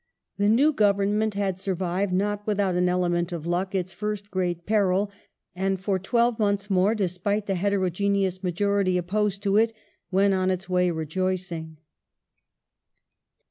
^ The new Government had survived, not without an element of luck, its first great peril, and for twelve months more, despite the heterogeneous majority opposed to it, went on its way rejoicing.